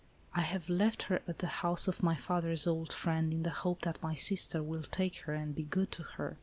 I have left her at the house of my father's old friend, in the hope that my sister will take her and be good to her.